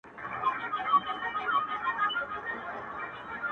په خپل زړه کي د مرګې پر کور مېلمه سو٫